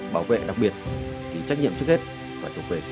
bảo vệ đặc biệt thì trách nhiệm trước hết phải thuộc về gia đình cha mẹ